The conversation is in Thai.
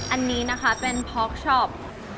อันนี้นะคะเป็นพอกช็อป